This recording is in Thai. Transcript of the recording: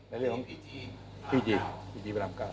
นั่นเรียกว่าพีจีพีจีพระรำเกาะ